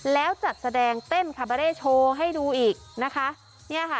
แล้วจัดแสดงเต้นคาบาเร่โชว์ให้ดูอีกนะคะเนี่ยค่ะ